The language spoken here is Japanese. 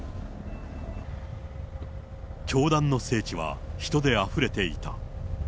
教団の聖地は人であふれていた。